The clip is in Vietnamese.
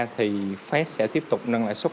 thì phép sẽ tiếp tục nâng lãi suất